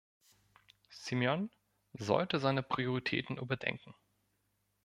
Simeon sollte seine Prioritäten überdenken.